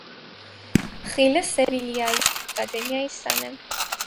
Խիլը Սևիլյայի ակադեմիայի սան է։